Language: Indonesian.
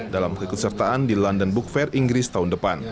dalam keikutsertaan di london book fair inggris tahun depan